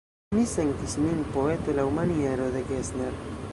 Mi sentis min poeto laŭ la maniero de Gessner.